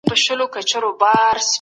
موږ څو ځلي د لستوڼي مار چیچلي